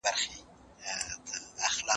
څنګه کورنۍ همکاري کوي؟